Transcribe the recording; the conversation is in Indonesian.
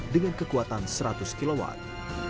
dengan kekuatan seratus kilowatt